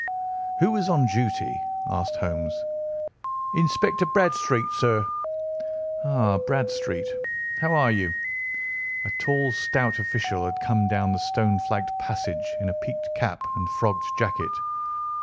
"Who is on duty?" asked Holmes. "Inspector Bradstreet, sir." "Ah, Bradstreet, how are you?" A tall, stout official had come down the stone flagged passage, in a peaked cap and frogged jacket.